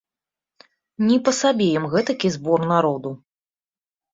Ні па сабе ім гэтакі збор народу.